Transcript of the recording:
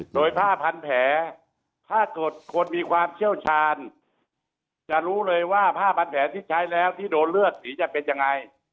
โดยผ้าพันแผลถ้าเกิดคนมีความเชี่ยวชาญจะรู้เลยว่าผ้าพันแผลที่ใช้แล้วที่โดนเลือดสีจะเป็นยังไง